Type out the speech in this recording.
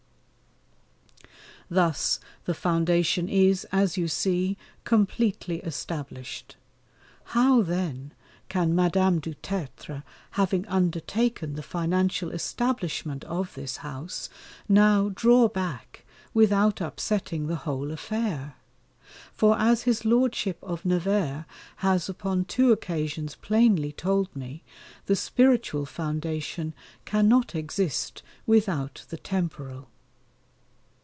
Thus, the foundation is, as you see, completely established. How, then, can Madame du Tertre, having undertaken the financial establishment of this house, now draw back without upsetting the whole affair? For as his Lordship of Nevers has upon two occasions plainly told me, the spiritual foundation cannot exist without the temporal.